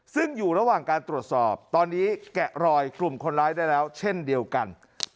ซึ่งอยู่ระหว่างการตรวจสอบตอนนี้แกะรอยกลุ่มคนร้ายได้แล้วเช่นเดียวกัน